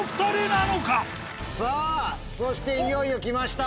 そしていよいよきました。